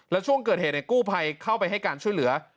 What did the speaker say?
แล้วช่วงเกิดเหตุกู้ภัยเข้าไปให้การช่วยเหลือ